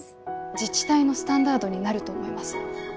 自治体のスタンダードになると思います。